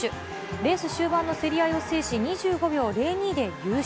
レース終盤の競り合いを制し、２５秒０２で優勝。